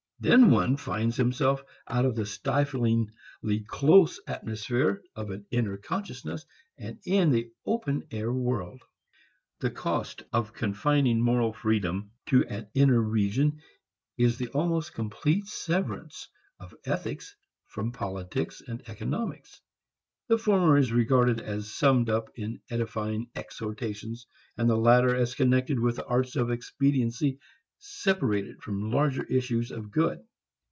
Then one finds himself out of the stiflingly close atmosphere of an inner consciousness and in the open air world. The cost of confining moral freedom to an inner region is the almost complete severance of ethics from politics and economics. The former is regarded as summed up in edifying exhortations, and the latter as connected with arts of expediency separated from larger issues of good.